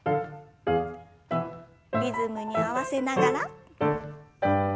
リズムに合わせながら。